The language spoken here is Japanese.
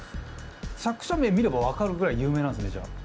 作者名見れば分かるぐらい有名なんすねじゃあ。